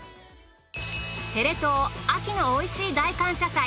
テレ東秋のおいしい大感謝祭。